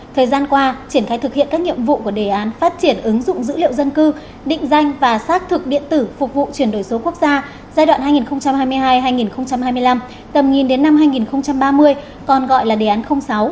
thời gian qua triển khai thực hiện các nhiệm vụ của đề án phát triển ứng dụng dữ liệu dân cư định danh và xác thực điện tử phục vụ chuyển đổi số quốc gia giai đoạn hai nghìn hai mươi hai hai nghìn hai mươi năm tầm nhìn đến năm hai nghìn ba mươi còn gọi là đề án sáu